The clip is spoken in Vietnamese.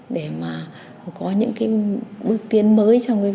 để mà có những cái bước tiến mới cho người lao động